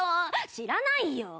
「知らないよ！